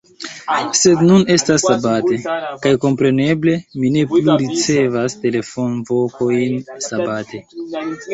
Sed nun estas Sabate, kaj kompreneble mi ne plu ricevas telefonvokojn Sabate.